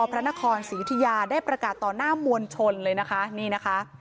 พระนครศรียุธิยาได้ประกาศต่อหน้ามวลชนเลยนะคะนี่นะคะ